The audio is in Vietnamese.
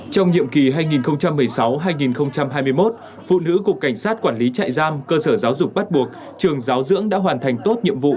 trong nhiệm kỳ hai nghìn một mươi sáu hai nghìn hai mươi một phụ nữ cục cảnh sát quản lý trại giam cơ sở giáo dục bắt buộc